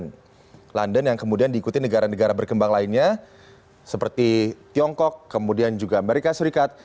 dan london yang kemudian diikuti negara negara berkembang lainnya seperti tiongkok kemudian juga amerika serikat